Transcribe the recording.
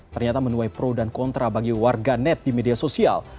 ternyata menuai pro dan kontra bagi warga net di media sosial